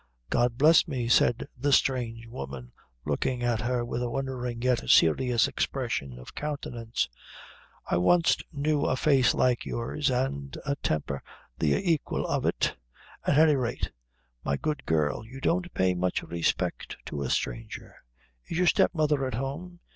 "God bless me!" said the strange woman, looking at her with a wondering yet serious expression of countenance; "I wanst knew a face like yours, an' a temper the aiquil of it at any rate, my good girl, you don't pay much respect to a stranger. Is your stepmother at home?"